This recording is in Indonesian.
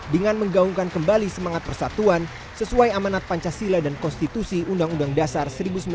dengan menggaungkan kembali semangat persatuan sesuai amanat pancasila dan konstitusi undang undang dasar seribu sembilan ratus empat puluh lima